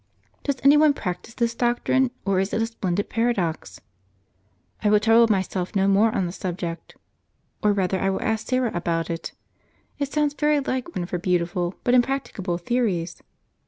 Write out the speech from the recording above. Does any one practise this doctrine, or is it a splendid paradox ? I will trouble myself no more on the sub ject. Or rather I will ask Syra about it ; it sounds very like one of her beautiful, but impracticable, theories.